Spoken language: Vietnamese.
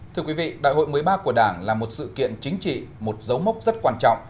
thưa quý vị đại hội một mươi ba của đảng là một sự kiện chính trị một dấu mốc rất quan trọng